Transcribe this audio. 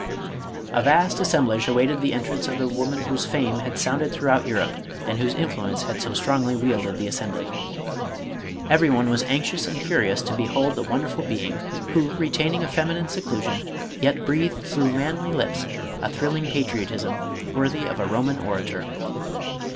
A vast assemblage awaited the entrance of the wo man whose fame had sounded throughout Europe, and whose influence had so strongly wielded the Assembly. MADAME ROLAND. 507 Every one was anxious and curious to behold the won derful being who retaining a feminine seclusion, yet breathed through manly lips a thrilling patriotism worthy of a Eoman orator.